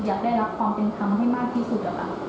อยากได้รับความเป็นธรรมให้มากที่สุด